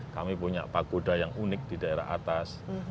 kami punya pagoda yang unik di daerah atas